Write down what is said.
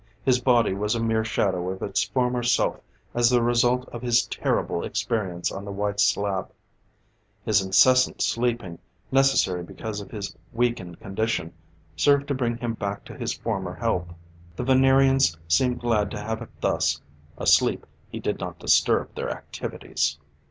His body was a mere shadow of its former self as the result of his terrible experience on the white slab: his incessant sleeping, necessary because of his weakened condition, served to bring him back to his former health. The Venerians seemed glad to have it thus: asleep, he did not disturb their activities.